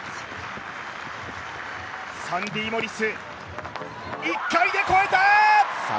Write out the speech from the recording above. サンディ・モリス１回で越えた！